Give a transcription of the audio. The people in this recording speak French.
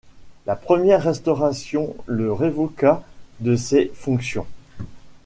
La première Restauration le révoqua de ces fonctions.